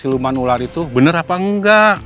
siluman ular itu benar apa enggak